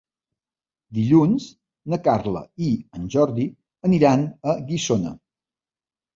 Dilluns na Carla i en Jordi aniran a Guissona.